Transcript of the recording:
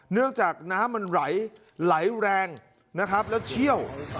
เนื่องจากน้ำมันไหลแรงนะครับแล้วเชี่ยว